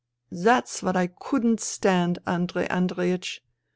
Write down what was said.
That's what I couldn't stand, Andrei Andreiech.